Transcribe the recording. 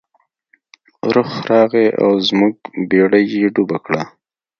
رخ راغی او زموږ بیړۍ یې ډوبه کړه.